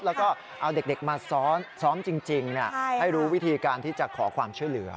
แล้วก็เอาเด็กมาซ้อมจริงให้รู้วิธีการที่จะขอความช่วยเหลือ